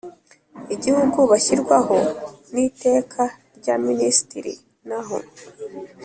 Igihugu Bashyirwaho N Iteka Rya Ministiri Naho